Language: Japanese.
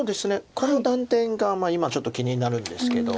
この断点が今ちょっと気になるんですけど。